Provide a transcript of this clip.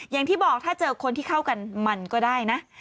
อย่างที่บอกถ้าเจอคนที่เข้ากันมันก็ได้นะ